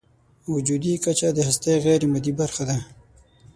وجودي کچه د هستۍ غیرمادي برخه ده.